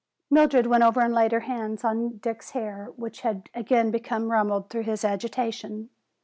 Mildred went over and laid her hands on Dick's hair, which had again become rumpled through his agitation.